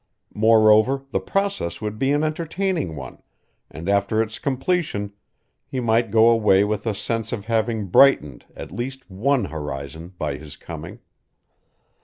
Moreover the process would be an entertaining one, and after its completion he might go away with a sense of having brightened at least one horizon by his coming.